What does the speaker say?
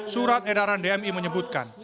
surat edaran dmi menyebutkan